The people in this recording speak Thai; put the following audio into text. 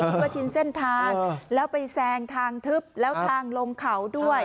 ว่าชินเส้นทางแล้วไปแซงทางทึบแล้วทางลงเขาด้วย